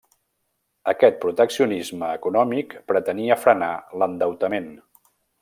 Aquest proteccionisme econòmic pretenia frenar l'endeutament.